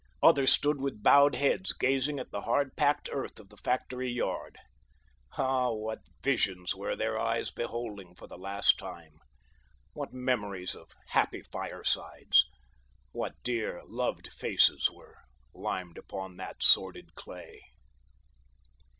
Others stood with bowed heads gazing at the hard packed earth of the factory yard. Ah, what visions were their eyes beholding for the last time! What memories of happy firesides! What dear, loved faces were limned upon that sordid clay!